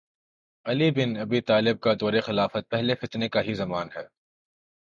علی bin Abi Talib کا دور خلافت پہلے فتنے کا ہم زمان ہے